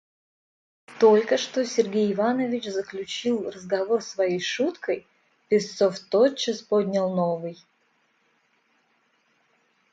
Только что Сергей Иванович заключил разговор своей шуткой, Песцов тотчас поднял новый.